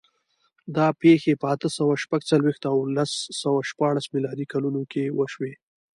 دا پېښې په اته سوه شپږ څلوېښت او لس سوه شپاړس میلادي کلونو وشوې.